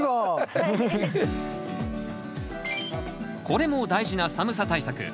これも大事な寒さ対策。